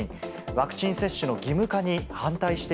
ワクチン接種の義務化に反対して